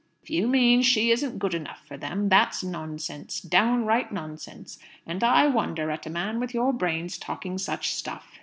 "If you mean she isn't good enough for them, that's nonsense; downright nonsense. And I wonder at a man with your brains talking such stuff!